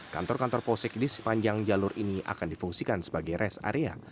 kantor kantor polsek di sepanjang jalur ini akan difungsikan sebagai rest area